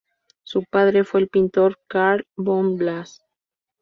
Su padre fue el pintor Karl von Blass.